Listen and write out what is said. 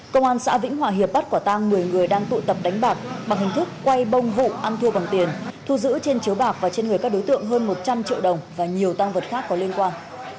công an xã vĩnh hòa hiệp bắt quả tang một mươi người đang tụ tập đánh bạc bằng hình thức quay bông vụ ăn thua bằng tiền thu giữ trên chiếu bạc và trên người các đối tượng hơn một trăm linh triệu đồng và nhiều tăng vật khác có liên quan